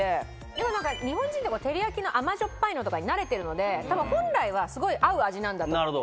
でも日本人とか照り焼きの甘じょっぱいのに慣れてるので本来はすごい合う味なんだと思うんですよ。